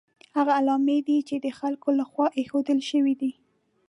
هغه علامې دي چې د خلکو له خوا ایښودل شوي دي.